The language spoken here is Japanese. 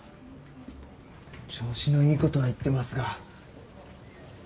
調子のいいことは言ってますが。